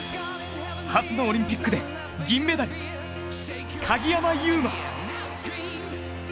初のオリンピックで銀メダル、鍵山優真。